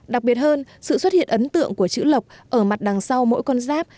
đặc biệt hơn sự xuất hiện ấn tượng của chữ lộc ở mặt đằng sau mỗi con giáp